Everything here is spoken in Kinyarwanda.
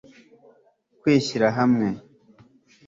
kwishyira hamwe